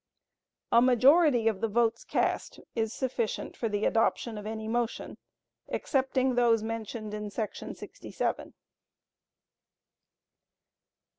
A majority of the votes cast is sufficient for the adoption of any motion, excepting those mentioned in § 68. Art. XII.